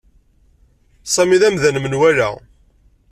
Sami d amdan n menwala.